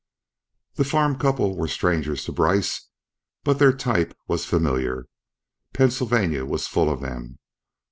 The farm couple were strangers to Brice, but their type was familiar. Pennsylvania was full of them.